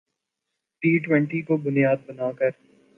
T twenty کو بنیاد بنا کر